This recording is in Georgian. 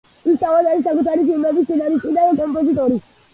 ის თავად არის საკუთარი ფილმების სცენარისტი და კომპოზიტორი.